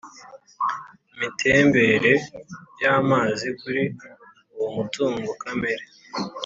mitembere y amazi kuri uwo mutungo kamere